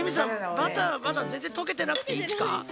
バターまだぜんぜん溶けてなくていいっちか？